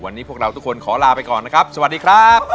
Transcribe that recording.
วันนี้พวกเราทุกคนขอลาไปก่อนนะครับสวัสดีครับ